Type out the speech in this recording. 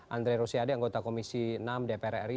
andre rosiade anggota komisi enam dpr ri